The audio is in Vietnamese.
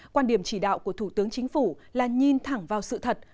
quan điểm chỉ đạo của thủ tướng chính phủ là nhìn thẳng vào sự thật